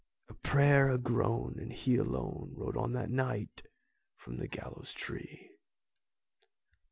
A prayer, a groan, and he alone Rode on that night from the gallows tree.